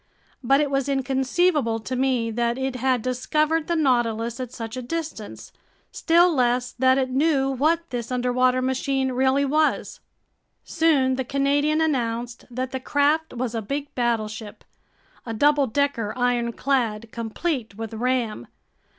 But it was inconceivable to me that it had discovered the Nautilus at such a distance, still less that it knew what this underwater machine really was. Soon the Canadian announced that the craft was a big battleship, a double decker ironclad complete with ram.